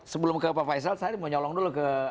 sebelum ke pak faisal saya mau nyolong dulu ke